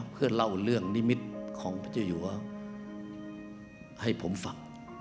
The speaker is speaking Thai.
เพื่อเล่าเรื่องนิมิตของพระเจ้าอยู่ให้ผมฟัง